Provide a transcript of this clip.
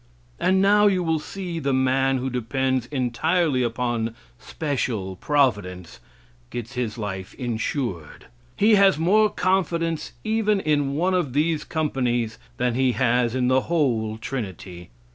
And now you will see the man who depends entirely upon special providence gets his life insured. He has more confidence even in one of these companies than he has in the whole Trinity.